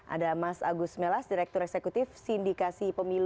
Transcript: ada mas agus melas direktur eksekutif sindikasi pemilu